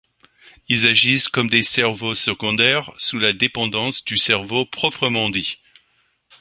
Ils agissent comme des cerveaux secondaires, sous la dépendance du cerveau proprement dit.